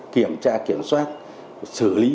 kiểm tra kiểm soát xử lý